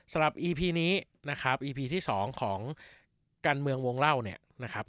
สำหรับนี้นะครับที่สองของการเมืองวงเล่าเนี่ยนะครับ